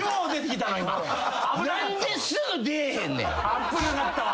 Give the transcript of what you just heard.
危なかったわ！